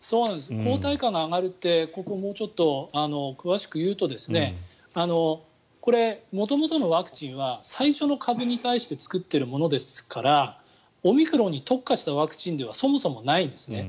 抗体価が上がるってここをもうちょっと詳しく言うとこれ、元々のワクチンは最初の株に対して作っているものですからオミクロンに特化したワクチンではそもそもないんです。